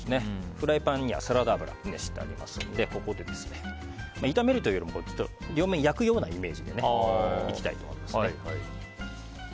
フライパンにはサラダ油を熱してありますので炒めるというより両面焼くようなイメージでいきたいと思います。